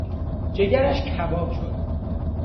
جگرش کباب شد